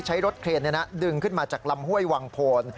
ใช้รถเครนดึงขึ้นมาจากลำห้วยวังโพน